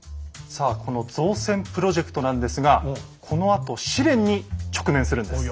さあこの造船プロジェクトなんですがこのあと試練に直面するんです。